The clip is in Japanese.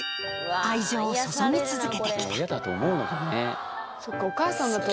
愛情を注ぎ続けてきた。